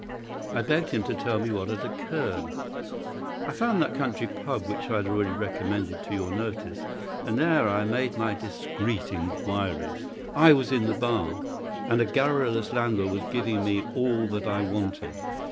I begged him to tell me what had occurred. "I found that country pub which I had already recommended to your notice, and there I made my discreet inquiries. I was in the bar, and a garrulous landlord was giving me all that I wanted.